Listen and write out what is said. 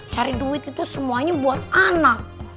cari duit itu semuanya buat anak